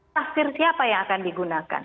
tafsir siapa yang akan digunakan